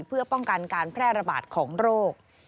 เพื่อป้องกันการแพร่ระบาดของโรค